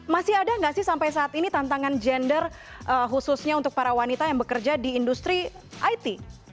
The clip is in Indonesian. masih ada nggak sih sampai saat ini tantangan gender khususnya untuk para wanita yang bekerja di industri it